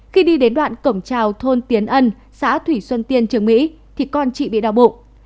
khi đi đến đoạn cổng trào thôn tiến ân xã thủy xuân tiên trường mỹ thì con chị bị đau bụng